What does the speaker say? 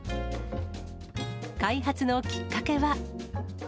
開発のきっかけは。